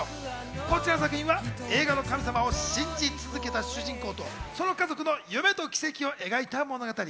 こちらの作品は映画の神様を信じ続けた主人公とその家族の夢と奇跡を描いた物語。